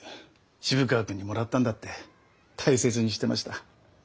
渋川君にもらったんだって大切にしてました。